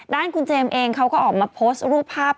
คุณเจมส์เองเขาก็ออกมาโพสต์รูปภาพ